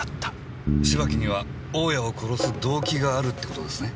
芝木には大家を殺す動機があるって事ですね？